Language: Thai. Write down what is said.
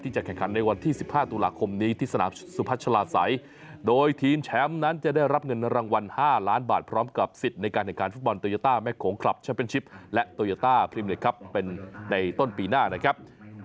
จะแข่งขันในวันที่๑๕ตุลาคมนี้ที่สนามสุพัชลาศัยโดยทีมแชมป์นั้นจะได้รับเงินรางวัล๕ล้านบาทพร้อมกับสิทธิ์ในการแข่งขันฟุตบอลโตโยต้าแม่โขงคลับแชมเป็นชิปและโตโยต้าพรีมเหล็กครับเป็นในต้นปีหน้านะครับ